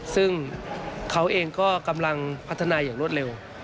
ซึ่งเขาเองก็กำลังพัฒนาอย่างรวดเร็ว